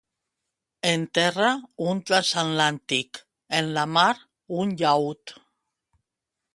En terra, un transatlàntic; en la mar, un llaüt.